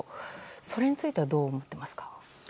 それについてはどう思っていますか？